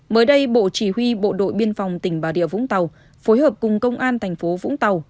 mới đây bộ chỉ huy bộ đội biên phòng tỉnh bà rịa vũng tàu phối hợp cùng công an thành phố vũng tàu